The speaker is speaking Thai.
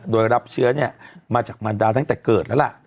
โดยรับเชื้อเนี่ยมาจากมันดาตั้งแต่เกิดแล้วล่ะ